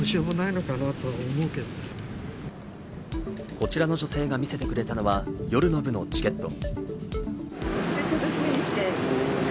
こちらの女性が見せてくれたのは夜の部のチケット。